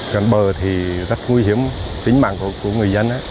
gần bờ thì rất nguy hiểm tính mạng của người dân